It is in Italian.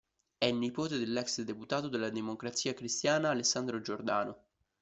È il nipote dell'ex deputato della Democrazia Cristiana Alessandro Giordano.